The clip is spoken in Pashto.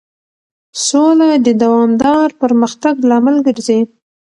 سوله د دوامدار پرمختګ لامل ګرځي.